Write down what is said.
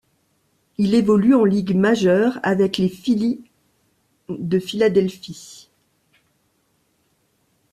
Il évolue en Ligue majeure avec les Phillies de Philadelphie.